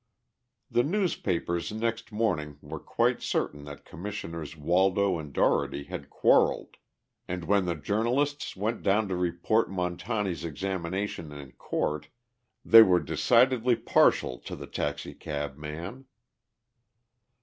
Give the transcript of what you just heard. The newspapers next morning were quite certain that Commissioners Waldo and Dougherty had quarrelled, and when the journalists went down to report Montani's examination in court they were decidedly partial to the taxicab man.